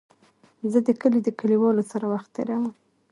زه د کلي د کليوالو سره وخت تېرووم.